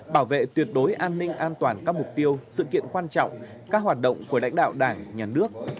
bảo vệ tuyệt đối an ninh an toàn các mục tiêu sự kiện quan trọng các hoạt động của lãnh đạo đảng nhà nước